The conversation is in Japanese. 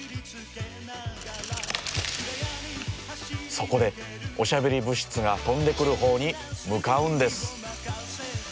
そこでおしゃべり物質が飛んでくるほうに向かうんです。